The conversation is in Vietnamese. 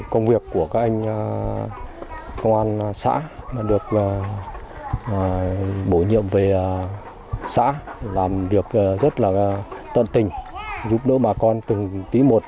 công việc của các anh công an xã được bổ nhiệm về xã làm việc rất là tận tình giúp đỡ bà con từng tí một